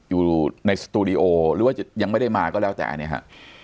อยู่ในสตูดิโอหรือว่ายังไม่ได้มาก็แล้วแต่เนี่ยฮะ